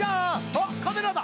あっカメラだ！